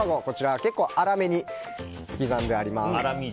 結構粗めに刻んであります。